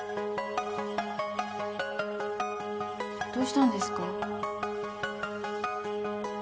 どうしたんですか？